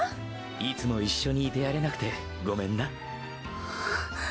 いつも一緒にいてやれなくてごめんな。